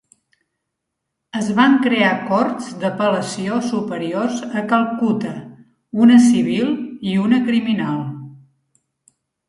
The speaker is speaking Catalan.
Es van crear corts d'apel·lació superiors a Calcuta, una civil i una criminal.